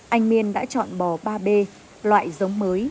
anh miên đã chọn bò ba b loại giống mới